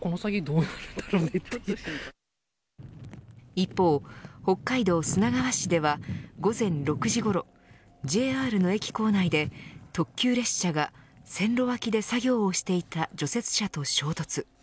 一方、北海道砂川市では午前６時ごろＪＲの駅構内で特急列車が線路脇で作業をしていた除雪車と衝突。